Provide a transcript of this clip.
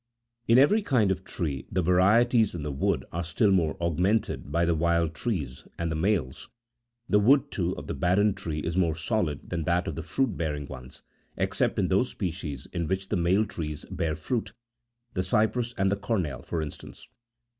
In every kind of tree, the varieties in the wood are still more augmented by the wild trees and the males. The wood, too, of the barren tree is more solid than that of the fruit bearing ones, except in those species in which the male trees31 bear fruit, the cypress and the cornel, for instance.